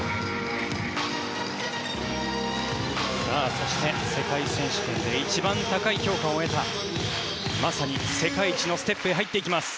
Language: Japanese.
そして世界選手権で一番高い評価を得たまさに世界一のステップへ入っていきます。